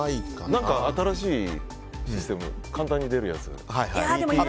何か新しいシステム簡単に出るやつ。